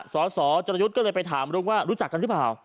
สสจรยุทธ์ก็เลยไปถามรุกว่ารู้จักกันหรือเปล่า